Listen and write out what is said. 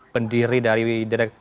pendiri dari direct